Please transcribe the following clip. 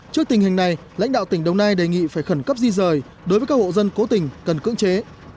trước tình hình này lãnh đạo tỉnh đồng nai đề nghị phải khẩn cấp di rời đối với các hộ dân cố tình cần cưỡng chế